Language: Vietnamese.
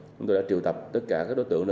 chúng tôi đã triệu tập tất cả các đối tượng